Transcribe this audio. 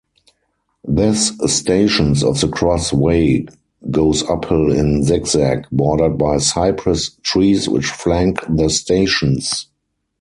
This Stations of the Cross way goes uphill in zigzag, bordered by cypress trees which flank the stations.